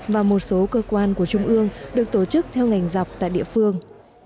và một số cơ quan của trung ương được tổ chức theo ngành dọc tại địa phương